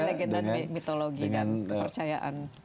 legenda mitologi dan kepercayaan